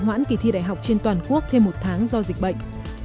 hoãn kỳ thi đại học trên toàn quốc thêm một tháng do dịch bệnh